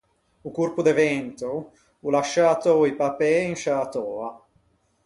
O corpo de vento o l’à sciätou i papê in sciâ töa.